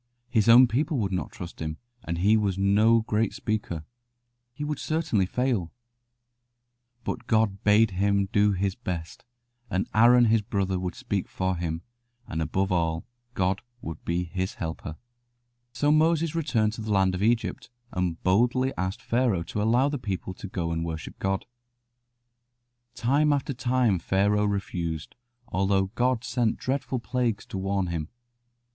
His own people would not trust him, and he was no great speaker; he would certainly fail. But God bade him do his best, and Aaron his brother would speak for him; and above all God would be his helper. [Illustration: "Arise, go over this Jordan, thou, and all this people." Joshua i. 2.] So Moses returned to the land of Egypt and boldly asked Pharaoh to allow the people to go and worship God. Time after time Pharaoh refused, although God sent dreadful plagues to warn him.